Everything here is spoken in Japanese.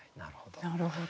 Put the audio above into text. なるほど。